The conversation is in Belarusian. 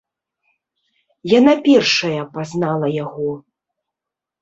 Яна першая пазнала яго.